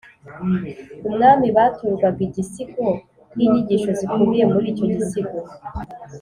Umwami baturwaga igisigo n inyigisho zikubiye muri icyo gisigo